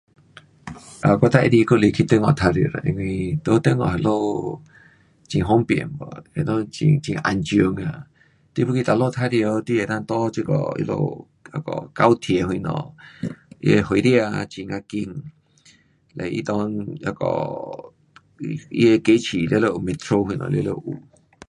um 我最喜欢还是去中国玩耍啦，因为在中国哪里很方便 [um]，you know 很安全啊，你要去哪里玩耍，你能够搭这个他们那个高铁什么，它的火车啊很呀快，嘞它内那个它的城市全部有 metro 什么全部有。